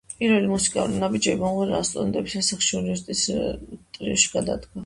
პირველი მუსიკალური ნაბიჯები მომღერალმა სტუდენტობის ასაკში, უნივერსიტეტის ტრიოში, გადადგა.